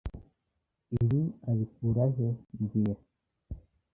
Ibi abikura he mbwira